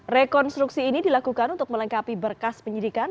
rekonstruksi ini dilakukan untuk melengkapi berkas penyidikan